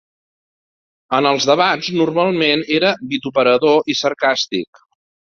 En els debats normalment era vituperador i sarcàstic.